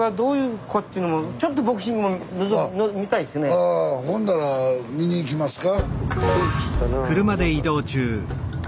僕あとほんだら見に行きますか？